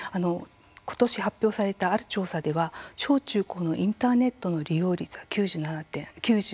今年発表されたある調査では小中高のインターネットの利用率は９７．７％。